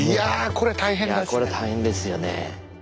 これ大変ですよね。